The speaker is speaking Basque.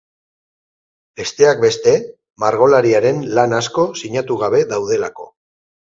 Besteak beste margolariaren lan asko sinatu gabe daudelako.